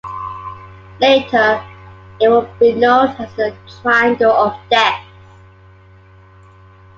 Later it would be known as the "triangle of death".